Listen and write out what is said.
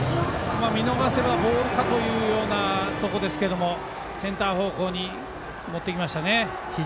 見逃せばボールかというようなところですけどセンター方向に持っていきました。